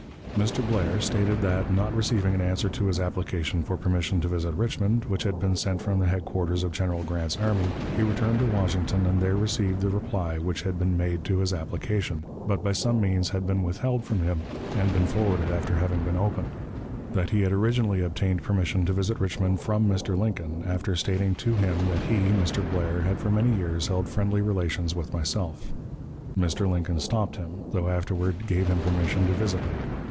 _ "Mr. Blair stated that, not receiving an answer to his application for permission to visit Richmond, which had been sent from the headquarters of General Grant's army, he returned to Washington and there received the reply which had been made to his application, but by some means had been withheld from him and been forwarded after having been opened; that he had originally obtained permission to visit Richmond from Mr. Lincoln, after stating to him that he (Mr. Blair) had for many years held friendly relations with myself. Mr. Lincoln stopped him, though he afterward gave him permission to visit me.